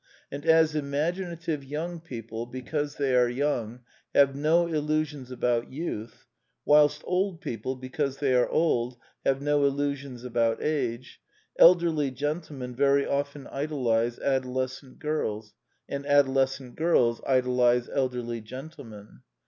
And as imaginative young people, because they are young, have no illusions about youth, whilst old people, because they are old, have no illusions about age, elderly gentlemen very often idolize adolescent girls, and adolescent girls idolize elderly gentlemen.